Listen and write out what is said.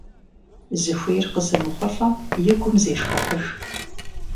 Зыхуейр къызэмыхъулӀэм и гум зешхыхьыж.